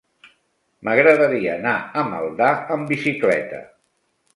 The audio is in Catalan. M'agradaria anar a Maldà amb bicicleta.